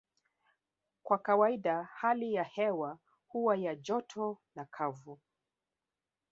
Kwa kawaida hali ya hewa huwa ya joto na kavu